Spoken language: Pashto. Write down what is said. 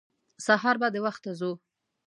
سهار به د وخته ځو.